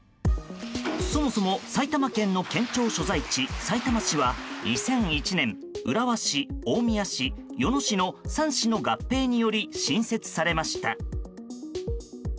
そもそも埼玉県の県庁所在地さいたま市は２００１年浦和市、大宮市、与野市の３市の合併により新設されました。